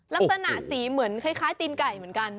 ลักษณะสีเหมือนคล้ายตีนไก่เหมือนกัน